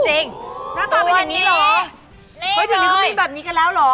หน้าตาเป็นแบบนี้เหรอ